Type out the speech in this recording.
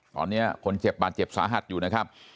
ตอนนี้คนเจ็บบาดเจ็บสาหัสอยู่นะครับ